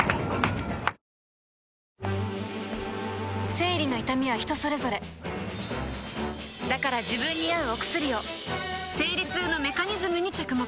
生理の痛みは人それぞれだから自分に合うお薬を生理痛のメカニズムに着目